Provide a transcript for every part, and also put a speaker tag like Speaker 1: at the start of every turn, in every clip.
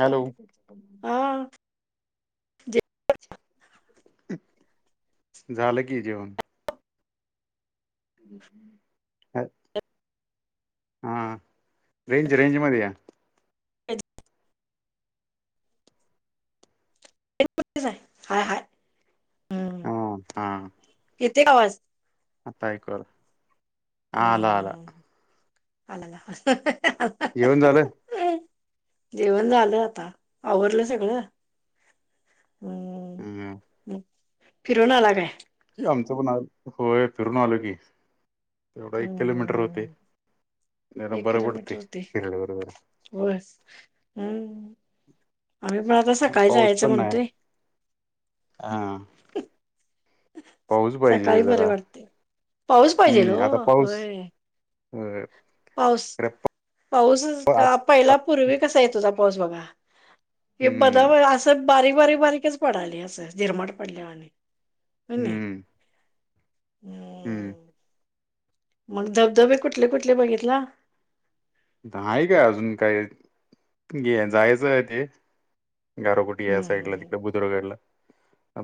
Speaker 1: Hello.
Speaker 2: हा. जे
Speaker 1: झालं की जेवण. हम्म्. [inaudible] हां रेंज रेंजमध्ये या.
Speaker 2: रेंज हाय हाय.
Speaker 1: ह, हा.
Speaker 2: येतय आवाज.
Speaker 1: आता ऐकु आल, हा
Speaker 2: हम्म
Speaker 1: आला
Speaker 2: हम्म,
Speaker 1: आला.
Speaker 2: हम्म. आला आवाज.
Speaker 1: जेवण झालं?
Speaker 2: अ, जेवण झालं आता. आवरलं सगळं. हम्म, फिरून आला काय?
Speaker 1: आमचं पण आज. होय फिरून आलो की. तेवढ
Speaker 2: हम्म
Speaker 1: एक
Speaker 2: हम्म,
Speaker 1: किलोमीटर
Speaker 2: हम्म,
Speaker 1: होतय.
Speaker 2: हम्म.
Speaker 1: जरा बर वाटतय फिरलेलं जरा.
Speaker 2: होय. हम्म, आम्ही पण आता सकाळी जायचं म्हणतोय.
Speaker 1: हां. पाऊस पाहिजे
Speaker 2: सकाळी बरे
Speaker 1: जरा.
Speaker 2: वाटते पाऊस पाहिजेल
Speaker 1: हम्म,
Speaker 2: हो
Speaker 1: आता पाऊस
Speaker 2: होय
Speaker 1: होय.
Speaker 2: पाऊस, पाऊसच का, पहिला पूर्वी कसा येत होता पाऊस बघा हे
Speaker 1: हम्म
Speaker 2: बदावया असं बारीक बारीक बारीकच पडालय असं, झिरमाट पडल्या वाणी. कणी.
Speaker 1: हम्म हम्म,
Speaker 2: मग धबधबे कुठले, कुठले बघितला.
Speaker 1: नाही काय अजून काय,, जायचं आहे तेऽ गारगोटी या
Speaker 2: हम्म
Speaker 1: साईडला,
Speaker 2: हम्म.
Speaker 1: तिकडं बुदुर्गडला.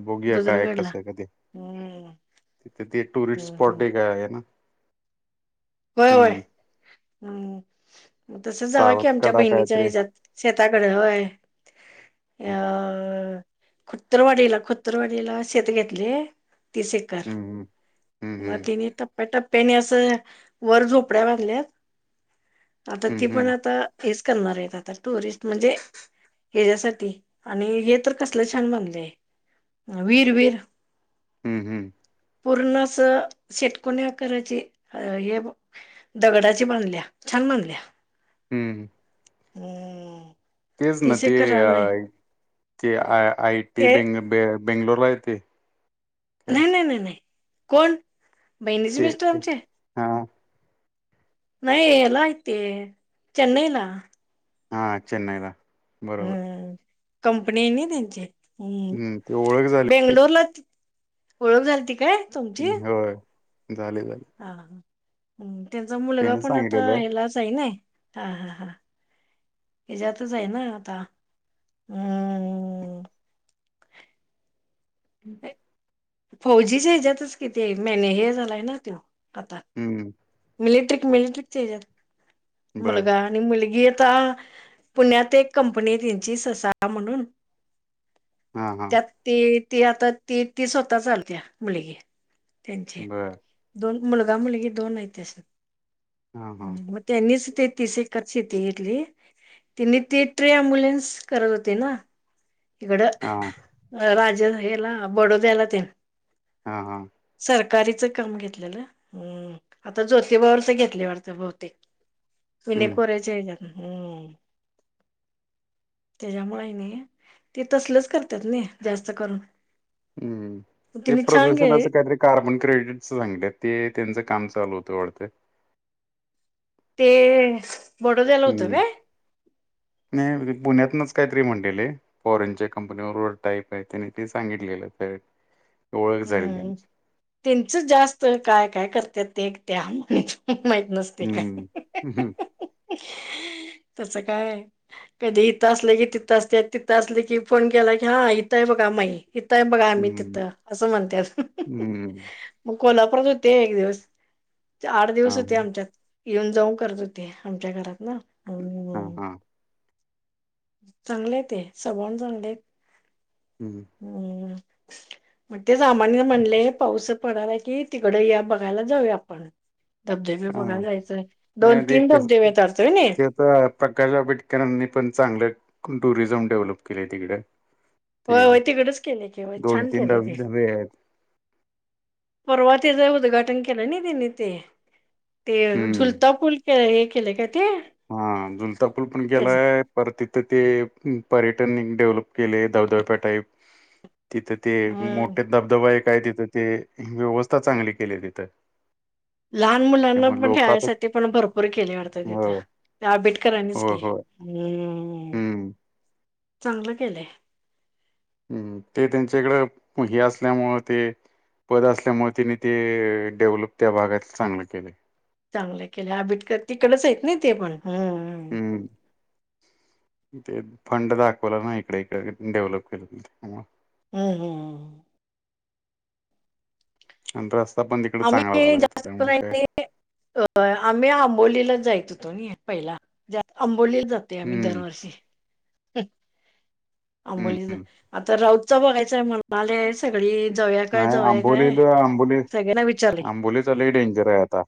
Speaker 1: बोगया काय
Speaker 2: बुजरगडला
Speaker 1: कसं आहे? कधी?
Speaker 2: हम्म
Speaker 1: तिथे ते टुरिस्ट
Speaker 2: हम्म हम्म
Speaker 1: स्पॉट एक आय.
Speaker 2: होय होय, ह तसच जावा की
Speaker 1: सावत
Speaker 2: आमच्या
Speaker 1: कडा
Speaker 2: बहिणीच्या
Speaker 1: कायतरी
Speaker 2: हच्याात. शेताकडं,, हय. अऽ,, खुतरवाडीला, खतरवाडीला शेत घेतलय. तिस एकर,,
Speaker 1: हम्म हम्म
Speaker 2: मग
Speaker 1: हम्म
Speaker 2: तिने टप्प्याटप्प्याने असंऽ वर झोपड्या बांधल्यात,, आता
Speaker 1: हम्म
Speaker 2: ती पण
Speaker 1: हम्म
Speaker 2: आताऽ हेच करणार हायत आता टुरिस्ट म्हजेऽ हच्यासाठी,, आणि हे तर कसल छान बांधलय,, हे,, व्हीर व्हिर
Speaker 1: हम्म, हम्म,
Speaker 2: पूर्ण अस, शेटकोण्या आकारायची,, हेऽ दगडाची बांधल्या,, छान बांधल्या.
Speaker 1: हम्म,
Speaker 2: हम्म,
Speaker 1: तेच ना
Speaker 2: तीस
Speaker 1: ते,,
Speaker 2: एकर रान आहे
Speaker 1: ते,, आ आय टी,,
Speaker 2: ते
Speaker 1: बंग, बेंगलोरला आहे ती.
Speaker 2: नाही, नाही, नाही, नाही, कोण,, बहिणीचे मिस्टर आमचे.
Speaker 1: हां,
Speaker 2: नाही,, हला हाईत ते,, चेनईला.
Speaker 1: हा चेनईदा
Speaker 2: हम्म कंपनी आहे ना त्यांची हम्म
Speaker 1: ते ओळख झाली
Speaker 2: बेंगलोरला ओळख झाली त काय तुमची हा
Speaker 1: होय झाले झाले
Speaker 2: हा ह् त्यांचा मुलगा
Speaker 1: त्याने
Speaker 2: पण आता
Speaker 1: सांगितलेलं
Speaker 2: हलाच आहे ना हा हा हा हच्यातच आहे ना आता,,, हम्ऽ
Speaker 1: हम्,
Speaker 2: फौजीच्या ह्याच्यातच कि, तो, मेने, हे,, झालाय ना तो. आता,,
Speaker 1: हम्म
Speaker 2: मिलिटरी, मिलिटरीज च्या हच्यात,
Speaker 1: बर
Speaker 2: मुलगा. आणि मुलगी आता,, पुण्यात एक कंपनी आहे त्यांची,, ससासा म्हणूनऽ
Speaker 1: हा, हा,
Speaker 2: ती, ती, आता ती, ती स्वतः चालत्या,, मुलगी त्यांची.
Speaker 1: बर
Speaker 2: दोन मुलगा मुलगी दोन ऐती सर
Speaker 1: हा हा
Speaker 2: त्यांनीच ते तीस एकका शेती घेतली तिने तेी टे अम्ब्युलन्स करत होते ना इकडं
Speaker 1: हा
Speaker 2: राज हेला बडोद्याला ते
Speaker 1: हा हा
Speaker 2: सरकारीचं काम घेतलेलं आता ज्योतीिबावरच घेतले वा बहुतेक मन
Speaker 1: हम्म
Speaker 2: कोरेचज हम् त्याच्यामुळे नाही ते तसलेच करतात नाही जास्त करून
Speaker 1: हम्म ते
Speaker 2: तिने छान गे
Speaker 1: प्रदूषणाचं काहीतरी कार्बन क्रेडिटच सांगलं ते त्यांचं काम चालू होतं वाढतं
Speaker 2: ते बडोद्याला होतं
Speaker 1: हम्म
Speaker 2: ना
Speaker 1: नाही पुण्यातूनच काय तरी म्हणतेल फॉरेनच्या कंपनीवर र टाईप आहे त्याने ते सांगितलेलं ओळख झाली त्यांची
Speaker 2: त्यांच जास्त काय काय करत ते त्या म्ह माहित नसत
Speaker 1: हम्म
Speaker 2: काय
Speaker 1: हम्म
Speaker 2: तस काय कधी इिथं असले की तिथं असते तिथं असले की फोन केला की हा इथं आहे बघा माई इिथं [inaudible] य बघा आम्ही
Speaker 1: हम्म
Speaker 2: तिथं असं म्हणतात
Speaker 1: हम्म
Speaker 2: मग कोल्हापुरात होते एक दिवस आठ
Speaker 1: हा
Speaker 2: दिवस होते आमच्यात येऊन जाऊ करत होते आमच्या घरात ना
Speaker 1: हा
Speaker 2: हम्म
Speaker 1: हा
Speaker 2: चांगले ते सवण चांगले आहेत
Speaker 1: ह
Speaker 2: हम् मग ते सामान्य म्हणले पाऊस पडलाय की तिकड या बघायला जाऊया आपण धबधबे
Speaker 1: हा
Speaker 2: बघायला जायचय दोन
Speaker 1: नाही ते
Speaker 2: तीन
Speaker 1: कस
Speaker 2: धबधबे तरतोय
Speaker 1: ते प्रकाश आंबेडकरांनी पण चांगलं टुरिझम डेव्हलप केलं तिकडे
Speaker 2: हो
Speaker 1: ते
Speaker 2: होय तिकडच केलेय क
Speaker 1: दोन
Speaker 2: छान
Speaker 1: तीन
Speaker 2: केले
Speaker 1: धबे
Speaker 2: ते
Speaker 1: धबे आहेत
Speaker 2: परर्वातचं उद्घाटन केलं ना तिने ते ते
Speaker 1: हम्म
Speaker 2: झुलता पूल हे केले काय ते
Speaker 1: हा जुलता फुल पण
Speaker 2: त्याच
Speaker 1: गेलाय पर तिथं ते पर्यटन डेव्हलप केले धवधवप्या टाईप तिथं ते
Speaker 2: हम्म
Speaker 1: मोठे धबधबा काय तिथं ते व्यवस्था चांगली केली तिथं
Speaker 2: लहान मुलांना
Speaker 1: त्यामुळे
Speaker 2: पण
Speaker 1: लोक आता
Speaker 2: ठेयसाठी पण भरपूर केले वाटतात
Speaker 1: हो
Speaker 2: तिथं त्या आंबेडकरांनीच के
Speaker 1: हो हो
Speaker 2: हम्म
Speaker 1: हम्म
Speaker 2: चांगलं केलंय
Speaker 1: हम् ते त्यांच्याकडं हे असल्यामुळं ते पद असल्यामुळे तिने ते डेव्हलप त्या भागात चांगलं केलं
Speaker 2: चांगले केलेबिटकर तिकडच आहेतेत ना ते पण
Speaker 1: हम्म ते फंड दाखवला ना इकडे इकडे डेव्हलप केलं
Speaker 2: हम हम
Speaker 1: आणि रस्ता पण तिकड चांगला
Speaker 2: आम्ही
Speaker 1: झाला होता
Speaker 2: जास्त
Speaker 1: त्यामु काय
Speaker 2: करून आम्ही आंबोलीला जायच होतो पहिला आंबोलीला जो आम्
Speaker 1: हम्म
Speaker 2: दरवर्षी
Speaker 1: हम्म
Speaker 2: आंबोली
Speaker 1: हम्म.
Speaker 2: आता राऊत च बघायचंय म्हणा आलेय सगळी जवया काय
Speaker 1: नाही
Speaker 2: जवय काय
Speaker 1: आंबोलीला
Speaker 2: सगळ्यांना विचारले
Speaker 1: आंबोली चा डेंजर आहे आता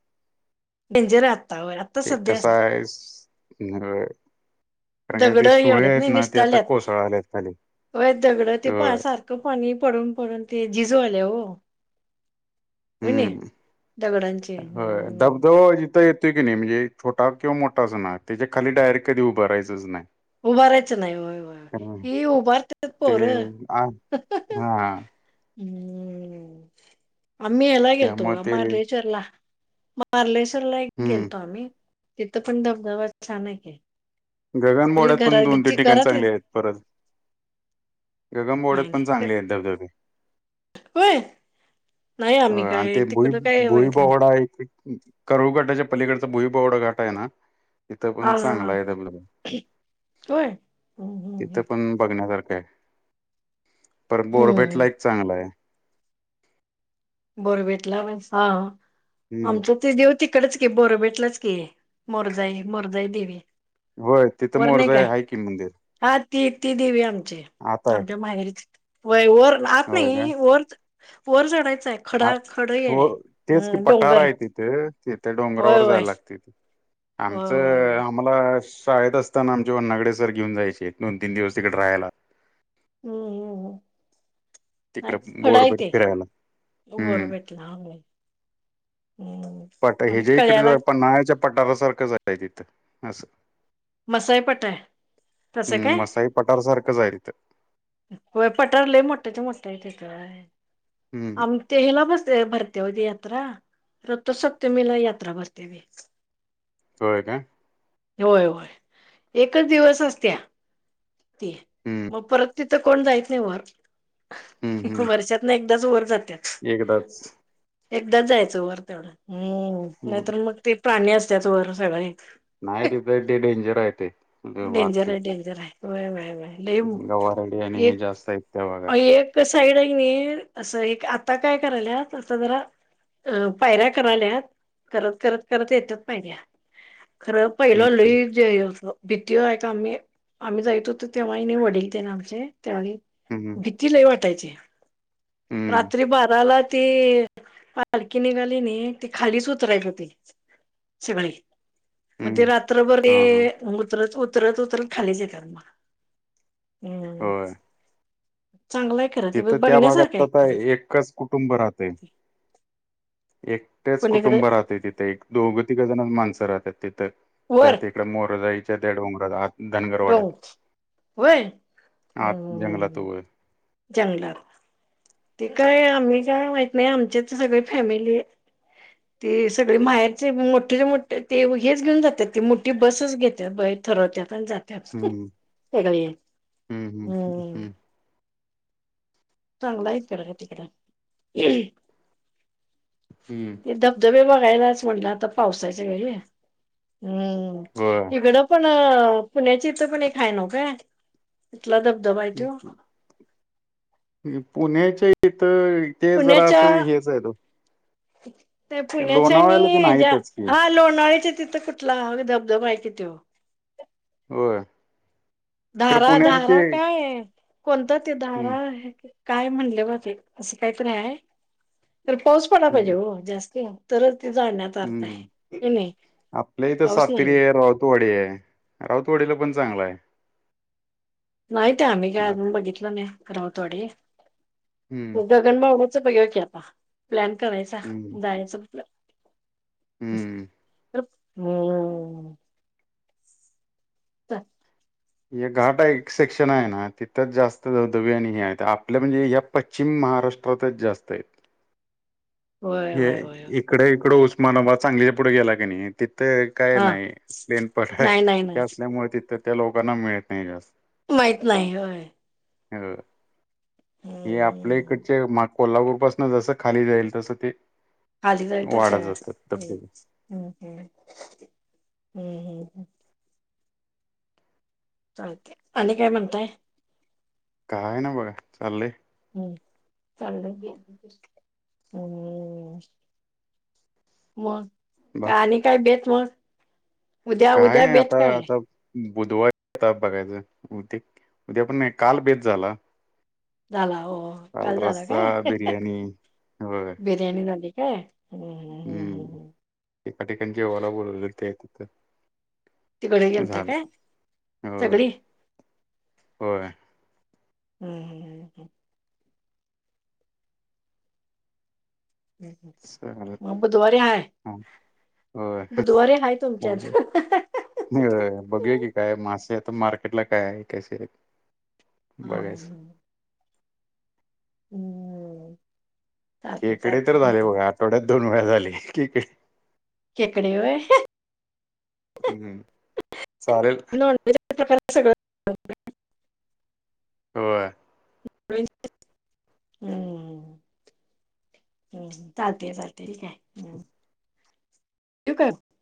Speaker 2: डेंजर आहे आता होय आता
Speaker 1: ते
Speaker 2: सध्या
Speaker 1: कस आहे म्ह कारण का
Speaker 2: दगड
Speaker 1: ती
Speaker 2: हे
Speaker 1: सुळे
Speaker 2: होल्यात
Speaker 1: आहेत
Speaker 2: नाही
Speaker 1: ना ती आता
Speaker 2: निसटाल्यात.
Speaker 1: कोसळल्या आहेत खाली
Speaker 2: होय दगड ते पा सारखं पाणी पडून पडून ते जिजू आले हो होय नी.
Speaker 1: हम्म
Speaker 2: दगडांचे
Speaker 1: हो
Speaker 2: हं
Speaker 1: धबधबा इिथं येतो की नाही म्हणजे छोा किंवा मोठाच ना त्याच्या खाली डायरेक्ट कधी उभारायंच नाही
Speaker 2: उभारायचं नाही होय
Speaker 1: हम्म
Speaker 2: होय ह उभारतत
Speaker 1: ते
Speaker 2: पर
Speaker 1: आ हा
Speaker 2: हम्म आम्ही यायला गेलतो
Speaker 1: त्यामुळे
Speaker 2: बघा
Speaker 1: ते
Speaker 2: महाबळेश्वरला बारलेश्वर ला एक
Speaker 1: हम्म
Speaker 2: गेलतो आम्ही तिथं पण धबधबा छान आहे
Speaker 1: गगन
Speaker 2: आम्ही
Speaker 1: बोर्डात पण
Speaker 2: घरा
Speaker 1: दोन तीन
Speaker 2: घरची
Speaker 1: ठिकाणी चांगले
Speaker 2: घरातलीच
Speaker 1: आहेत परत गगम
Speaker 2: नाही
Speaker 1: बोडत पण
Speaker 2: नाही
Speaker 1: चांगले आहेत धबधबे
Speaker 2: होय नाही आम्ही
Speaker 1: आणि
Speaker 2: काय
Speaker 1: ते भुई
Speaker 2: तिकडं काय बघितलं नाही
Speaker 1: भोईबवडा एक करुळ घाटाच्या पलीकडचा भुई बवडा घाट आहे ना तिथं पण चांगला आहे त्या ब
Speaker 2: व्हय
Speaker 1: बघण्यासारख आहे प बोरबेट ला
Speaker 2: हम्म.
Speaker 1: एक चांगला आहे
Speaker 2: बोरबेटला वसा
Speaker 1: हम्म
Speaker 2: आमच ते देव तिकडेच की बोरबेटलाच की मोरजई मोरजाई देवी
Speaker 1: होय तिथं
Speaker 2: वर
Speaker 1: मोर
Speaker 2: नाही काय
Speaker 1: जाय हा कि मंदिर
Speaker 2: हा ती ती देवी आमची
Speaker 1: आता आहे
Speaker 2: आमच्या माहेरी वय वर आत
Speaker 1: होय काय
Speaker 2: नाही वर वर चडायचं आहे
Speaker 1: आ
Speaker 2: खडा खड आहे
Speaker 1: हो तेच कि
Speaker 2: हम्म
Speaker 1: पटारा
Speaker 2: डोंगर
Speaker 1: आहे तिथे तथे
Speaker 2: होय
Speaker 1: डोंगरावर
Speaker 2: होय
Speaker 1: जायला लागते
Speaker 2: होय होय
Speaker 1: आमचं
Speaker 2: होय
Speaker 1: आ आम्हाला शाळेत असताना आमच्या वन्नागडे सर घेऊन जायचे, दोन तीन दिवस तिकडे राहायला.
Speaker 2: हम्म हम्म हम्म
Speaker 1: तिकडे
Speaker 2: नाही फडय
Speaker 1: बोरबेट
Speaker 2: ते,
Speaker 1: फिरायला
Speaker 2: उभोर
Speaker 1: हम्म
Speaker 2: भेटला अ हम्म,
Speaker 1: पट हे
Speaker 2: आणि
Speaker 1: जे
Speaker 2: कळ्याला
Speaker 1: इकडे पन्हाळ्याच्या पठारासारखंच हाय तिथं असं.
Speaker 2: मसाई पठार आहे
Speaker 1: हम्म, मसाई पठारसारखंच आहे तिथं.
Speaker 2: व्हय, पठार लय मोठ्ठच्या मोठ्ठ आहे तिथं व्हय,
Speaker 1: हम्म
Speaker 2: आम ते हेला बसते भरते ओ ती यात्रा, रथसप्तमीला यात्रा बसते ती.
Speaker 1: होय काय?
Speaker 2: होय होय, एकच दिवस असत्या. ती,
Speaker 1: हम्म
Speaker 2: मग परत तिथं कोण जायच नाही वर,
Speaker 1: हम्म हम्म
Speaker 2: वर्षा न एकदाच वर जातात.
Speaker 1: एकदाच
Speaker 2: एकदा जायचं वर तेवढं हम्म,
Speaker 1: हम्म
Speaker 2: नाहीतर मग ते प्राणी असत्यात वर सगळे.
Speaker 1: नाही तिथं एक ते डेंजर आहे ते, ते वाघ
Speaker 2: डेंजर
Speaker 1: ते
Speaker 2: आहे डेंजर हाय. व्हय व्हय व्हय.
Speaker 1: [unintelligible] आणि हे जास्त आहेत. त्या भागात
Speaker 2: एक साईड आहे की नाही, असं एक आता काय करायलात आता जरा अ पायऱ्या कराल्यात, करत करत करत येतात पायऱ्या. खरं पहिलं
Speaker 1: हम्म
Speaker 2: लय जे असं‌ किती जायचो आम्ही, आम्ही जायत होतो तेव्हा ही नाही वडील ते ना आमचे त्यावेळी
Speaker 1: हम्म
Speaker 2: ची लय वाटायची.
Speaker 1: हम्म
Speaker 2: रात्री बाराला ते पालखी निघाली नि ते खालीच उतरायचे ते सगळे मग ते
Speaker 1: हम्म
Speaker 2: रात्रभर हे
Speaker 1: हा हा
Speaker 2: मग उतरत उतरत उतरत खालीच येतात बघा.
Speaker 1: होय.
Speaker 2: चांगलंय खरं ते
Speaker 1: तिथं त्या
Speaker 2: बघण्यासारखं
Speaker 1: भागात
Speaker 2: आहे
Speaker 1: आता
Speaker 2: खरं
Speaker 1: एकच कुटुंब राहते, एकटेच
Speaker 2: पलीकडे
Speaker 1: कुटुंब राहते तिथे दोघं तिघं जणच माणसं राहतात तिथं,
Speaker 2: वर
Speaker 1: त्यात इकडं मोरजाईच्या त्या डोंगराला
Speaker 2: डो होय?
Speaker 1: आत जंगलात उभं
Speaker 2: जंगलात. ते काय, आम्ही काय माहित नाही आमच्याच सगळी फॅमिली
Speaker 1: [inaudible]
Speaker 2: ते सगळे माहेरचे मोठेच्या मोठे ते हेच घेऊन जातात ती, मोठी बसच घेतात बाई ठरवतात आणि जात त्यात
Speaker 1: हम्म
Speaker 2: सगळी हम्म चांगलाय निसर्ग तिकडं.
Speaker 1: हम्म
Speaker 2: धबधबे बघायलाच म्हटलं आता पावसाच्यावेळी, हम्म,
Speaker 1: होय
Speaker 2: इकडं पण अ पुण्याची इथं पण एक हाय नव्ह का? कुठला धबधबा आहे तो?
Speaker 1: पुण्याच्या इथं ते जरा असं
Speaker 2: पुण्याच्या
Speaker 1: हेच आहेत ओ
Speaker 2: ते पुण्याच्या आणि
Speaker 1: ते
Speaker 2: हेज्या
Speaker 1: नाहीतच की
Speaker 2: हा लोणावळ्याच्या तिथं कुठ ला ह धबधबा आहे कि तो?
Speaker 1: होय? खरं
Speaker 2: धारा
Speaker 1: पुण्यात ते
Speaker 2: धारा काय, कोणतं ते धारा
Speaker 1: हम्म
Speaker 2: काय म्हणले बा ते, असं काहीतरी आहे, तर पाऊस पडाय पाहिजे
Speaker 1: हम्म
Speaker 2: हो जास्त. तरच ते जाण्यात अर्थ आहे
Speaker 1: हम्म,
Speaker 2: की नाही
Speaker 1: आपल्य हिथं
Speaker 2: पाऊस
Speaker 1: सातेरी
Speaker 2: नाही
Speaker 1: एअर राऊतवाडी आहे राऊतवाडीला पण चांगला आहे
Speaker 2: नाहीित आम्ही काय
Speaker 1: आत-
Speaker 2: अजून बघितलं नाही कराव थोडी
Speaker 1: हम्म
Speaker 2: गगणबावण्याचं बघलं की आता प्लॅन करायचा
Speaker 1: हम्म
Speaker 2: जायच [inaudible]
Speaker 1: हम्म.
Speaker 2: ह
Speaker 1: हे घाटा एक सेक्शन आहे ना तिथंच जास्त धबधब्य आणि हे आहेत आपल्या म्हणजे ह्या पश्चिम महाराष्ट्रातच जास्त आहेत
Speaker 2: होय
Speaker 1: हे
Speaker 2: होय होय
Speaker 1: इकडे इकड उस्मानाबाद चांगली पुढे गेला क नाही तिथं काय
Speaker 2: हा
Speaker 1: नाही प्लेन पट
Speaker 2: नाही नाही
Speaker 1: हे
Speaker 2: नाही
Speaker 1: असल्यामुळे तिथ त्या लोकांना मिळत नाही जास्त
Speaker 2: माहीत नाही होय
Speaker 1: अ हे आपल्या
Speaker 2: हम्म
Speaker 1: इकडचे कोल्हापूर पासून जसं खाली जाईल तसं ते वाढत
Speaker 2: खाली
Speaker 1: जातात धबधबे.
Speaker 2: तर् हम् हम् हम् चालते आणि काय म्हणताय
Speaker 1: काय ना बघा चाललंय
Speaker 2: हम्म चाललं हम्म मग
Speaker 1: बा
Speaker 2: का आणि काय बेत मग उद्या
Speaker 1: काय
Speaker 2: उद्या
Speaker 1: आहे
Speaker 2: बेत
Speaker 1: आता
Speaker 2: काय
Speaker 1: आता बुधवारी येत बघायचं उद्या उद्या पण नाही काल बेेत झाला
Speaker 2: झाला हो काल झाला
Speaker 1: रस्सा
Speaker 2: काय
Speaker 1: बिर्याणी होय
Speaker 2: ब जण न का हम हम हम
Speaker 1: हम्म
Speaker 2: हम्
Speaker 1: एका ठिकाणी जेव्हाला बोलले ते तिथं
Speaker 2: तिकडे गेलता
Speaker 1: झालं
Speaker 2: काय सगळी
Speaker 1: हो
Speaker 2: हम् हम हम हम
Speaker 1: चालत
Speaker 2: मग बुधवारे आय
Speaker 1: हा, होय
Speaker 2: बुधवारीे हाय तुमच्यात
Speaker 1: बोलू. बघूया की काय मासे आता मार्केटला काय आहे कसे आहेत
Speaker 2: हो
Speaker 1: बघायचं
Speaker 2: हम्म
Speaker 1: ककडे तर झाले बघा आठवड्यात दोन वेळा झाले ककडे
Speaker 2: केकडे वय
Speaker 1: हम्म सचालेेल
Speaker 2: [unintelligible]
Speaker 1: अवा
Speaker 2: हम्म हम् चालते चाार तरी काय त का